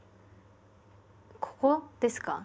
ここですか？